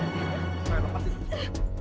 pak ustaz lepas dulu